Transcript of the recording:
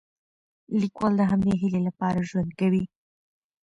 لیکوال د همدې هیلې لپاره ژوند کوي.